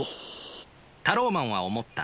タローマンは思った。